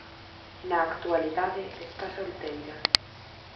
Na actualidade está solteira.